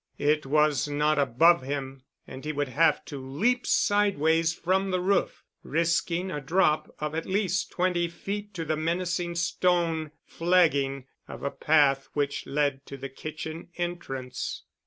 It was not above him and he would have to leap sideways from the roof, risking a drop of at least twenty feet to the menacing stone flagging of a path which led to the kitchen entrance.